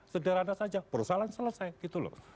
sederhana saja persalahan selesai